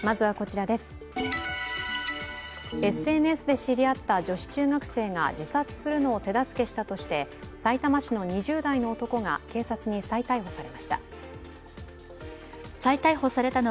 ＳＮＳで知り合った女子中学生が自殺するのを手助けしたとしてさいたま市の２０代の男が警察に再逮捕されました。